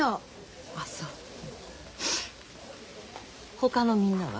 ほかのみんなは？